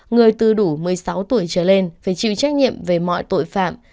người từ đủ một mươi sáu tuổi trở lên phải chịu trách nhiệm về mọi tội phạm